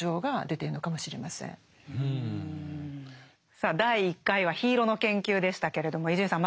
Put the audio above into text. さあ第１回は「緋色の研究」でしたけれども伊集院さん